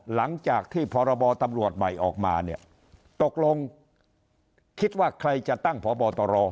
หลังจากที่พรบตำรวจใหม่ออกมาเนี่ยตกลงคิดว่าใครจะตั้งพบตร